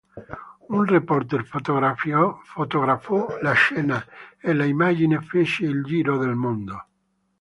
Un reporter fotografò la scena, e l'immagine fece il giro del mondo.